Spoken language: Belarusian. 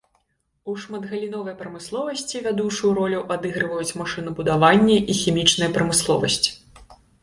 У шматгаліновай прамысловасці вядучую ролю адыгрываюць машынабудаванне і хімічная прамысловасць.